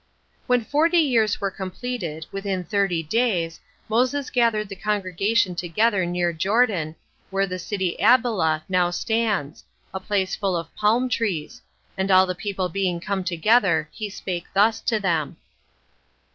1. When forty years were completed, within thirty days, Moses gathered the congregation together near Jordan, where the city Abila now stands, a place full of palm trees; and all the people being come together, he spake thus to them: 2.